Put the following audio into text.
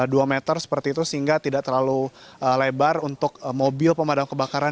dua meter seperti itu sehingga tidak terlalu lebar untuk mobil pemadam kebakaran